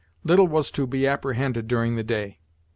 Little was to be apprehended during the day.